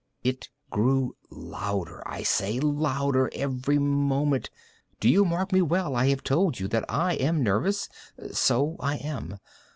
It grew louder, I say, louder every moment!—do you mark me well? I have told you that I am nervous: so I am.